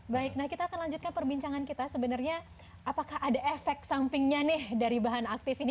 baik nah kita akan lanjutkan perbincangan kita sebenarnya apakah ada efek sampingnya nih dari bahan aktif ini